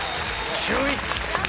シューイチ。